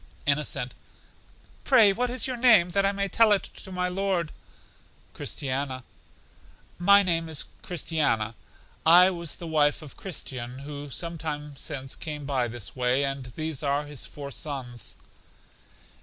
Innocent: Pray what is your name, that I may tell it to my Lord? Christiana: My name is Christiana; I was the wife of Christian, who some time since came by this way, and these are his four sons.